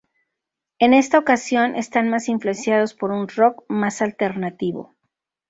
En esta ocasión, están más influenciados por un rock más alternativo.